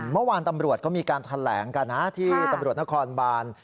เมื่อวานตำรวจเขามีการแถลงกันนะที่ตำรวจนครบาน